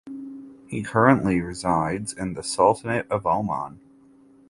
He currently resides in the Sultanate of Oman.